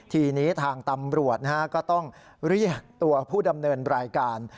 ทีนี้ทางตำรวจก็ต้องเรียกตัวผู้ดำเนินรายการ